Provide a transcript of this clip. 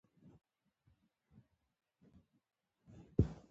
ابومسلم په زیږیدلی او د پر ضد یې پاڅون وکړ.